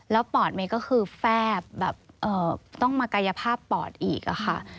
แล้วปอดเมย์ก็คือแฟบแบบต้องมากายภาพปอดอีกค่ะ